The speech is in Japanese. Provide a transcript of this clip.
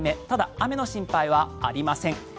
ただ、雨の心配はありません。